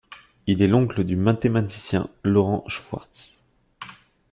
Il est l'oncle du mathématicien Laurent Schwartz.